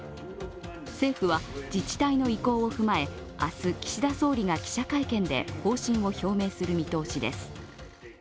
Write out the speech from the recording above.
政府は自治体の意向を踏まえ、明日、岸田総理が記者会見で方針を表明する見通しです。